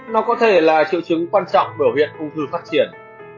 nó có thể là triệu chứng quan trọng biểu hiện ung thư phát triển